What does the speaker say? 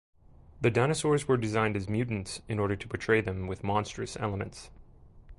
The dinosaurs were designed as mutants in order to portray them with monstrous elements.